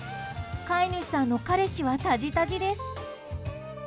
飼い主さんの彼氏はたじたじです。